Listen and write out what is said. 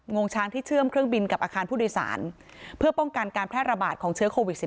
งงช้างที่เชื่อมเครื่องบินกับอาคารผู้โดยสารเพื่อป้องกันการแพร่ระบาดของเชื้อโควิด๑๙